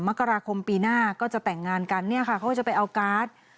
มกราคมปีหน้าก็จะแต่งงานกันเนี่ยค่ะเขาก็จะไปเอาการ์ด